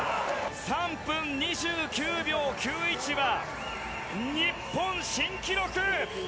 ３分２９秒９１は日本新記録。